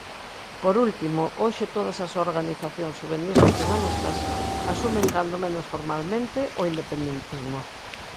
Por último, hoxe todas as organizacións xuvenís nacionalistas asumen cando menos formalmente o independentismo.